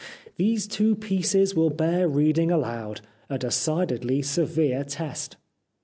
These two pieces will bear reading aloud — a decidedly severe test."